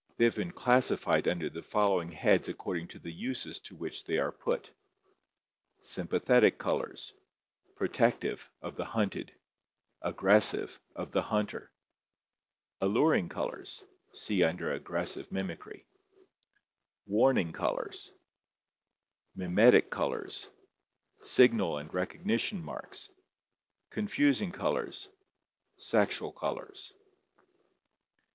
They have been classified under the following heads accord ing to the uses to which they are put: Sympathetic colors Protective, of the hunted Aggressive, of the hunter Alluring colors (see under aggressive mimicry, page 245) Warning colors Mimetic colors Signal and recognition marks Confusing colors Sexual colors.